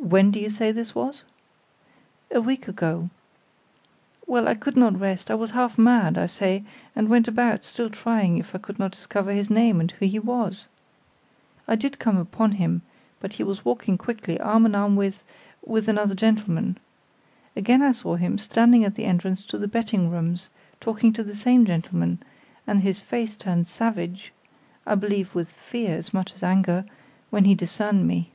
"When do you say this was?" "A week ago. Well, I could not rest; I was half mad, I say, and went about, still trying if I could not discover his name and who he was. I did come upon him, but he was walking quickly, arm in arm with with another gentleman. Again I saw him, standing at the entrance to the betting rooms, talking to the same gentleman, and his face turned savage I believe with fear as much as anger when he discerned me.